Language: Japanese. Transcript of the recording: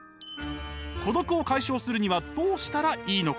孤独を解消するにはどうしたらいいのか？